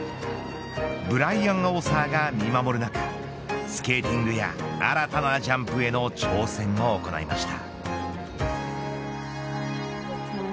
ブライアン・オーサーが見守る中スケーティングや新たなジャンプへの挑戦を行いました。